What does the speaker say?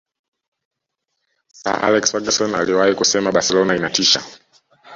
sir alex ferguson aliwahi kusema barcelona inatisha